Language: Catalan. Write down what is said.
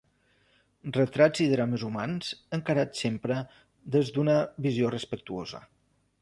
Retrats i drames humans encarats sempre des d’una visió respectuosa.